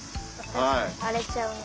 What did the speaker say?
あれちゃうの。